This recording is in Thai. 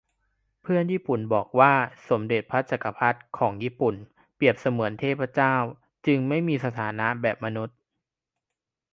เพื่อนญี่ปุ่นบอกว่าสมเด็จพระจักรพรรดิของญี่ปุ่นเปรียบเสมือนเทพเจ้า จึงไม่มีสถานะแบบมนุษย์